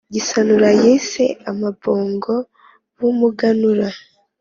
gisanura yise abambogo b’umuganura.